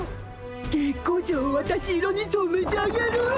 月光町をわたし色にそめてあげるわ！